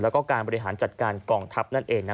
และการบริหารจัดการกองทัพ